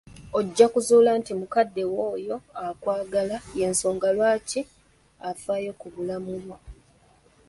Ojja kuzzuula nti mukadde wo oyo akwagala y'ensonga lwaki afaayo ku bulamu bwo.